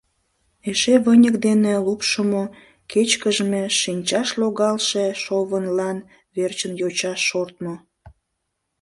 Эше выньык дене лупшымо, кечкыжме, шинчаш логалше шовынлан верчын йоча шортмо...